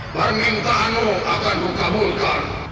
permintaanmu akan kukabulkan